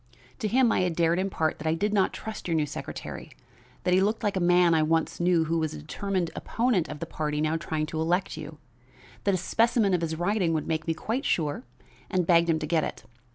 To him I had dared impart that I did not trust your new secretary; that he looked like a man I once knew who was a determined opponent of the party now trying to elect you; that a specimen of his writing would make me quite sure, and begged him to get it.